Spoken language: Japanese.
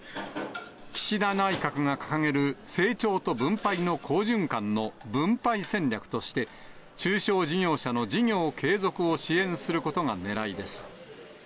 岸田内閣が掲げる成長と分配の好循環の分配戦略として、中小事業者の事業継続を支援することがねらいです。